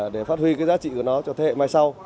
để phát huy cái giá trị của nó cho thế hệ mai sau